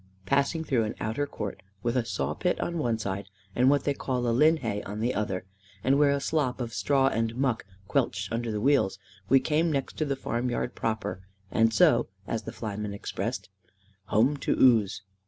Passing through an outer court, with a saw pit on one side and what they call a "linhay" on the other, and where a slop of straw and "muck" quelched under the wheels, we came next to the farmyard proper, and so (as the flyman expressed it) "home to ouze."